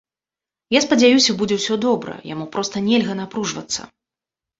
Я спадзяюся, будзе ўсё добра, яму проста нельга напружвацца.